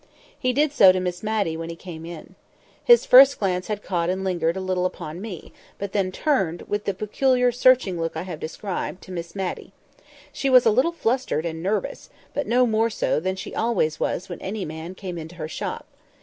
He did so to Miss Matty when he first came in. His glance had first caught and lingered a little upon me, but then turned, with the peculiar searching look I have described, to Miss Matty. She was a little fluttered and nervous, but no more so than she always was when any man came into her shop.